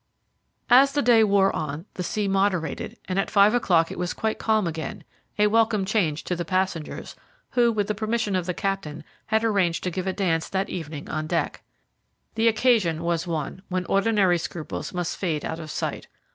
As the day wore on the sea moderated, and at five o'clock it was quite calm again, a welcome change to the passengers, who, with the permission of the captain, had arranged to give a dance that evening on deck. The occasion was one when ordinary scruples must fade out of sight.